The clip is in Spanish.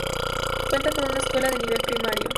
Cuenta con una escuela de nivel primario.